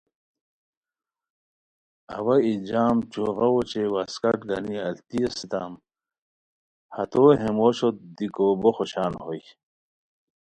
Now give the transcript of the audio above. اوا ای جم چوغہ اوچے واسکٹ گنی التی اسیتام، ہتو ہے موشوت دیکو بوخوشان ہوئے